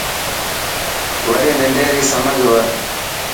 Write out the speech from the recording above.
وڏي ننڊي ري سمجهه هوئي.